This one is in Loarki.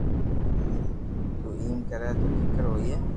تو ايم ڪري تو ڪيڪر ھوئي